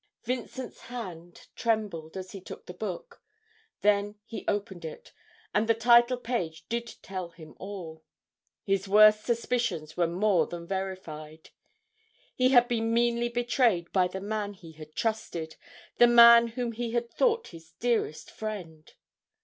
Vincent's hand trembled as he took the book. Then he opened it, and the title page did tell him all. His worst suspicions were more than verified. He had been meanly betrayed by the man he had trusted the man whom he had thought his dearest friend!